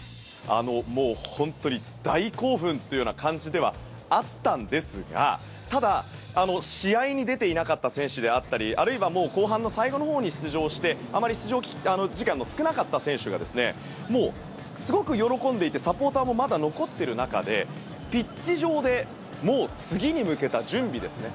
もう本当に大興奮というような感じではあったんですがただ、試合に出ていなかった選手であったりあるいは、もう後半の最後のほうに出場してあまり出場時間の少なかった選手がすごく喜んでいてサポーターもまだ残ってる中でピッチ上でもう次に向けた準備ですね。